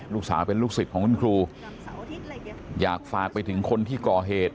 ลูกสาวเป็นลูกศิษย์ของคุณครูอยากฝากไปถึงคนที่ก่อเหตุ